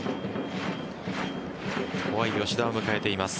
怖い吉田を迎えています。